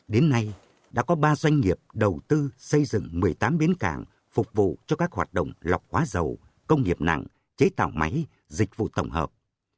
đến nay đã có ba doanh nghiệp đầu tư xây dựng một mươi tám bến cảng phục vụ cho các hoạt động lọc hóa dầu công nghiệp nặng chế tạo máy dịch vụ tổng hợp